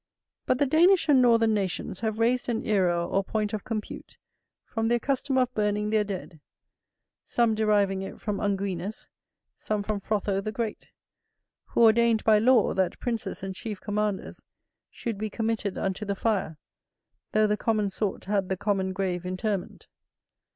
But the Danish and northern nations have raised an era or point of compute from their custom of burning their dead: some deriving it from Unguinus, some from Frotho the great, who ordained by law, that princes and chief commanders should be committed unto the fire, though the common sort had the common grave interment.